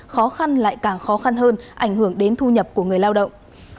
khó khăn lại càng khó khăn hơn ảnh hưởng đến thu nhập của người lao động